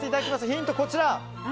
ヒントはこちら。